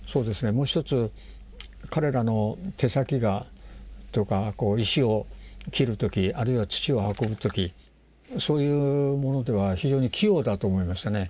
もう一つ彼らの手先が石を切る時あるいは土を運ぶ時そういうものでは非常に器用だと思いましたね。